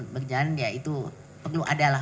berjalan ya itu perlu ada lah